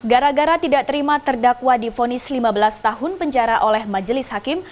gara gara tidak terima terdakwa difonis lima belas tahun penjara oleh majelis hakim